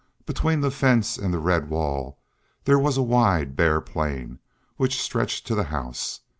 Between the fence and the red wall there was a wide bare plain which stretched to the house.